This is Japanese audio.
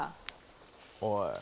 おい。